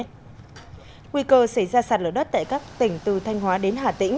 nguy cơ xảy ra sạt lở đất tại các tỉnh từ thanh hóa đến hà tĩnh